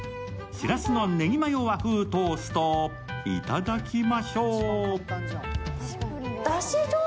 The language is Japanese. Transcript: しらすのねぎマヨ和風トースト、いただきましょう。